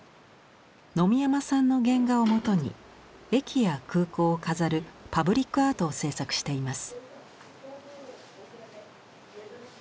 野見山さんの原画をもとに駅や空港を飾るパブリックアートを制作しています。